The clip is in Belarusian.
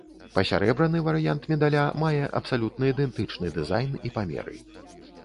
Пасярэбраны варыянт медаля мае абсалютна ідэнтычны дызайн і памеры.